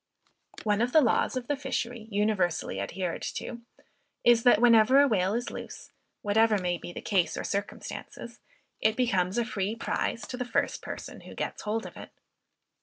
One of the laws of the fishery universally adhered to, is, that whenever a whale is loose, whatever may be the case or circumstances, it becomes a free prize to the first person who gets hold of it.